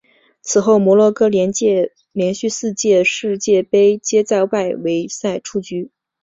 此后摩洛哥连续四届世界杯皆在外围赛出局。